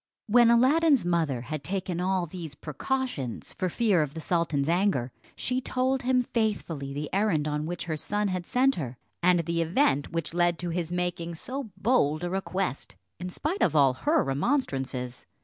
When Aladdin's mother had taken all these precautions, for fear of the sultan's anger, she told him faithfully the errand on which her son had sent her, and the event which led to his making so bold a request in spite of all her remonstrances.